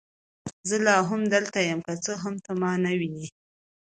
زه لا هم دلته یم، که څه هم ته ما نه وینې.